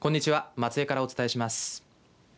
松江からお伝えします。